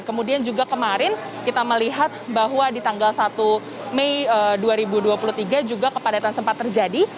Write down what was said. kemudian juga kemarin kita melihat bahwa di tanggal satu mei dua ribu dua puluh tiga juga kepadatan sempat terjadi